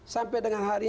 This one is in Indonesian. sampai dengan hari ini